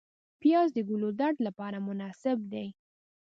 پیاز د ګلودرد لپاره مناسب دی